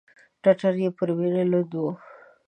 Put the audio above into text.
ټټر يې پر وينو لوند و.